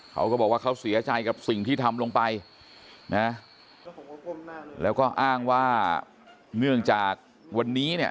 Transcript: เขาก็บอกว่าเขาเสียใจกับสิ่งที่ทำลงไปนะแล้วก็อ้างว่าเนื่องจากวันนี้เนี่ย